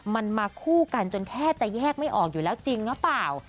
มันมาคู่กันจนแทบจะแยกไม่ออกอยู่แล้วจริงหรือเปล่า